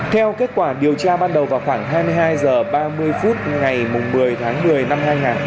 theo kết quả điều tra ban đầu vào khoảng hai mươi hai h ba mươi phút ngày một mươi tháng một mươi năm hai nghìn hai mươi ba